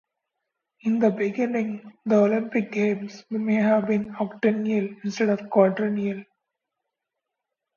In the beginning, the Olympic games may have been octennial instead of quadrennial.